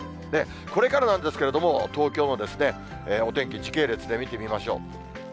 これからなんですけど、東京のお天気、時系列で見てみましょう。